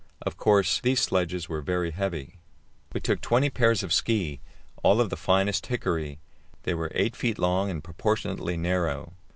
Of course, these sledges were very heavy. We took twenty pairs of ski, all of the finest hickory; they were 8 feet long, and proportionately narrow.